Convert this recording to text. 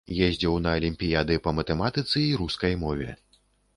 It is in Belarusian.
Ездзіў на алімпіяды па матэматыцы і рускай мове.